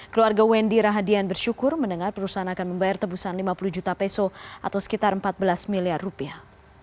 keluarga wendy rahadian bersyukur mendengar perusahaan akan membayar tebusan lima puluh juta peso atau sekitar empat belas miliar rupiah